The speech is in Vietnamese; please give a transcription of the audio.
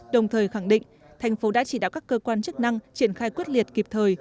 đồng thời khẳng định thành phố đã chỉ đạo các cơ quan chức năng triển khai quyết liệt kịp thời